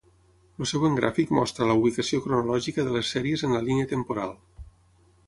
El següent gràfic mostra la ubicació cronològica de les sèries en la línia temporal.